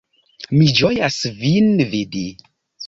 Mi ĝojas vin vidi!